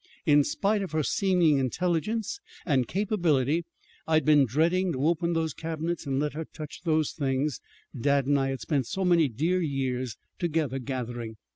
In spite of her seeming intelligence and capability, I'd been dreading to open those cabinets and let her touch those things dad and I had spent so many dear years together gathering.